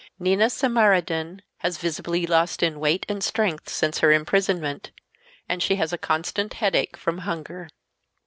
Nina Samarodin has visibly lost in weight and strength since her imprisonment, and she has a constant headache from hunger.